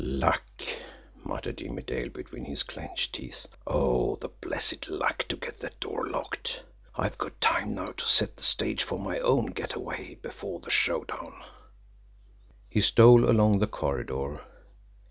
"Luck!" muttered Jimmie Dale between his clenched teeth. "Oh, the blessed luck to get that door locked! I've got time now to set the stage for my own get away before the showdown!" He stole on along the corridor.